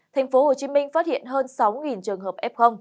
tp hcm phát hiện hơn sáu trường hợp f